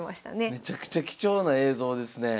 めちゃくちゃ貴重な映像ですねえ。